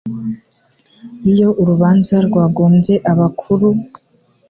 Iyo urubanza rwagombye abakuru,”